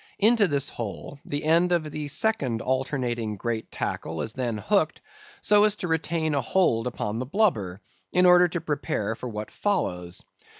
Into this hole, the end of the second alternating great tackle is then hooked so as to retain a hold upon the blubber, in order to prepare for what follows.